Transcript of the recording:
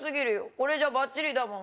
これじゃバッチリだもん